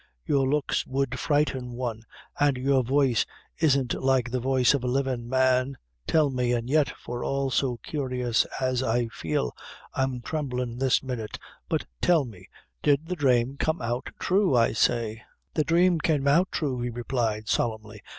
Your looks would frighten one, an' your voice isn't like the voice of a livin' man. Tell me and yet, for all so curious as I feel, I'm thremblin' this minute but tell me, did the dhrame come out thrue, I say?" "The dhrame came out thrue," he replied, solemnly.